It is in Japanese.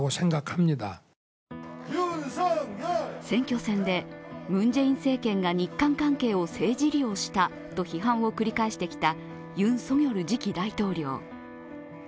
選挙戦でムン・ジェイン政権が日韓関係を政治利用したと批判を繰り返してきたユン・ソギョル次期大統領。